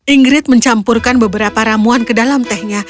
ingrid mencampurkan beberapa ramuan ke dalam tehnya